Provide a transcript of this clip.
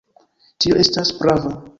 Tio estas prava.